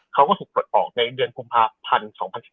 เขาก็ถูกปลดออกในเดือนกุมภาพันธ์๒๐๑๙